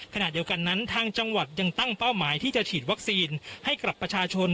ขณะเดียวกันนั้นทางจังหวัดยังตั้งเป้าหมายที่จะฉีดวัคซีนให้กับประชาชน